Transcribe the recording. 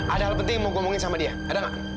ada hal penting mau ngomongin sama dia ada nggak